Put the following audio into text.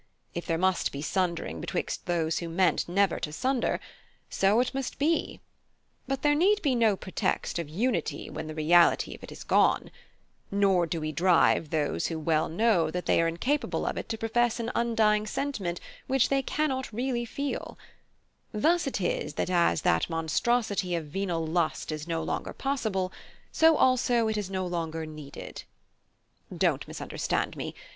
If there must be sundering betwixt those who meant never to sunder, so it must be: but there need be no pretext of unity when the reality of it is gone: nor do we drive those who well know that they are incapable of it to profess an undying sentiment which they cannot really feel: thus it is that as that monstrosity of venal lust is no longer possible, so also it is no longer needed. Don't misunderstand me.